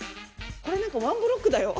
これなんかワンブロックだよ。